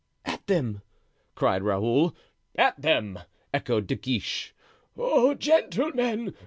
"At them!" cried Raoul. "At them!" echoed De Guiche. "Oh! gentlemen!